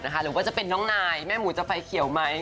หรือว่าจะเป็นน้องนายแม่หมูจะไฟเขียวไหม